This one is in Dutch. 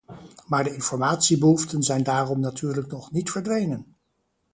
Maar de informatiebehoeften zijn daarom natuurlijk nog niet verdwenen.